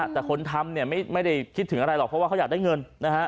แต่คนทำเนี่ยไม่ได้คิดถึงอะไรหรอกเพราะว่าเขาอยากได้เงินนะฮะ